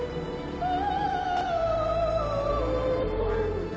ああ。